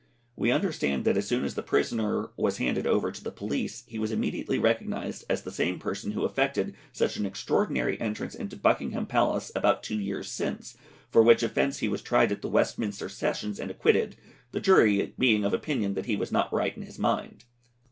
We understand that as soon as the prisoner was handed over to the police he was immediately recognised as the same person who effected such an extraordinary entrance into Buckingham Palace about two years since, for which offence he was tried at the Westminster Sessions and acquitted, the jury being of opinion that he was not right in his mind.